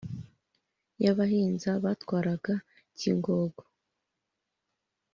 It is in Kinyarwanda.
y’abahinza batwaraga cyingogo.